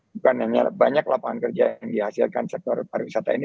bukan hanya banyak lapangan kerja yang dihasilkan sektor pariwisata ini